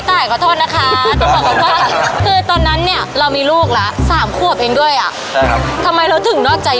ใช่จริงไม่ได้เมื่อกี้แม่แม่ไปกำจามแล้วแดดโตไม่กล้าไง